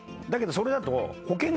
だけどそれだと。